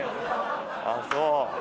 あっそう。